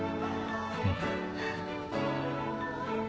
うん。